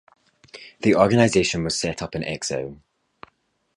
An organization was set up in exile.